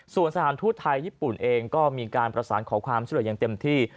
ส่วนสถานทูตไทยญี่ปุ่นเองก็มีการประสานขอความช่วยเหลืออย่างเต็มที่